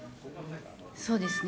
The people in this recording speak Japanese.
そうですね。